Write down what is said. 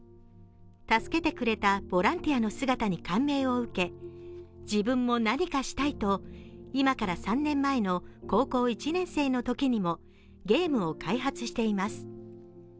助けてくれたボランティアの姿に感銘を受け自分も何かしたいと今から３年前の高校１年生のときにもゲームを開発しています。